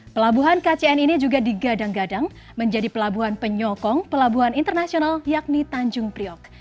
pelabuhan kcn ini juga digadang gadang menjadi pelabuhan penyokong pelabuhan internasional yakni tanjung priok